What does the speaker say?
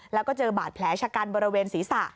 แล้วก็เจอบาดแผลชะกันบริเวณศีรษะ